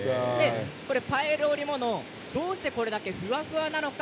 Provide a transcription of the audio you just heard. パイル織物、どうしてこれだけふわふわなのか